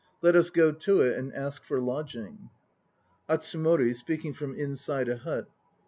Let us go to it and ask for lodging. ATSUMORI (speaking from inside a hut).